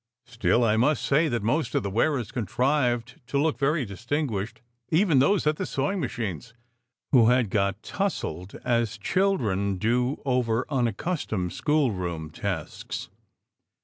Still, I must say that most of the wearers contrived to look very distinguished, even those at the sewing machines, who had got tousled as children do over unaccustomed schoolroom tasks.